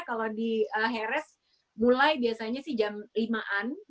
kalau di harres mulai biasanya sih jam lima an